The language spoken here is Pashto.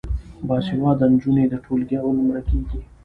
باسواده نجونې د ټولګي اول نمره کیږي.